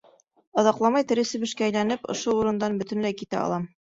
Оҙаҡламай тере себешкә әйләнеп, ошо урындан бөтөнләй китә алам.